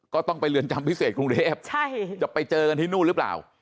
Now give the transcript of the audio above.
ก็ต้องไปเรือนจำพิเศษครุงเรียบ